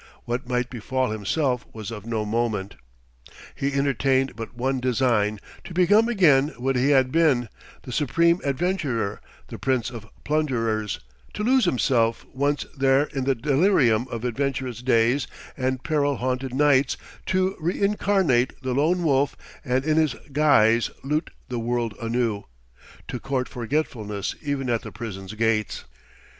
What might befall himself was of no moment. He entertained but one design, to become again what he had been, the supreme adventurer, the prince of plunderers, to lose himself once more in the delirium of adventurous days and peril haunted nights, to reincarnate the Lone Wolf and in his guise loot the world anew, to court forgetfulness even at the prison's gates....